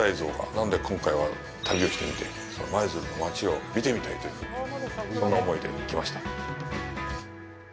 なので、今回は、旅をしてみて、その舞鶴の町を見てみたいというふうに、そんな思いで来ました。